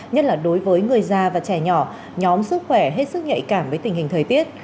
nhất là đối với người già và trẻ nhỏ nhóm sức khỏe hết sức nhạy cảm với tình hình thời tiết